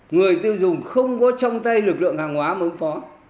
người tiêu dùng không có trong tay lực lượng hàng hóa mà ứng phó